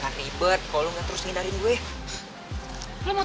kalo lu pikir segampang itu buat ngindarin gue lu salah din